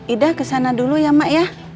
ida ke sana dulu ya mak ya